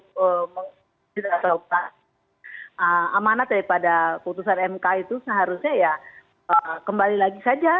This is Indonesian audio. kalau tidak tahu amanat daripada putusan mk itu seharusnya ya kembali lagi saja